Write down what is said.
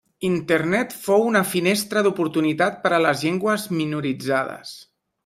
Internet fou una finestra d'oportunitat per a les llengües minoritzades.